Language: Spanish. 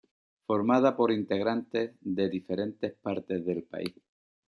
Formada por integrantes de diferentes partes del país.